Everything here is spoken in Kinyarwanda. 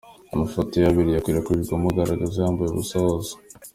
Amafoto ye abiri yakwirakwijwe amugaragaza yambaye ubusa hose.